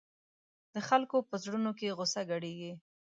د خلکو په زړونو کې غوسه ګډېږي.